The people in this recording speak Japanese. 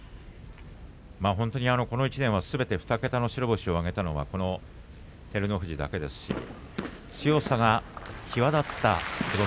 本当にこの１年すべて２桁の白星を挙げたのは照ノ富士だけですので、強さが際立ったことし